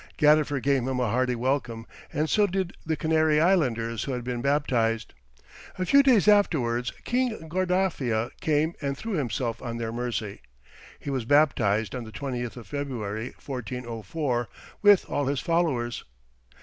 Gadifer gave him a hearty welcome, and so did the Canary islanders who had been baptized. A few days afterwards, King Guardafia came and threw himself on their mercy. He was baptized on the 20th of February, 1404, with all his followers.